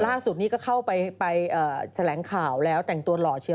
ล่าสุดนี้ก็เข้าไปแถลงข่าวแล้วแต่งตัวหล่อเชียว